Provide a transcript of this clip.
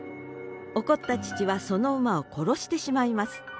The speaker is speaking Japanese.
怒った父はその馬を殺してしまいます。